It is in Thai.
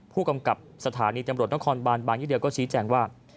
ผู้กำกับสถานีตำรวจนครบานบางยีเดียวก็ชี้แจงว่า